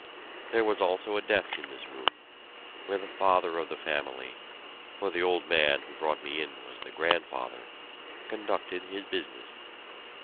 There was also a desk in this room, where the father of the family for the old man who brought me in was the grandfather conducted his business.